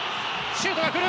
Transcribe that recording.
シュートが来る！